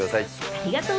ありがとう！